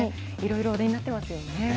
いろいろお出になってますよね。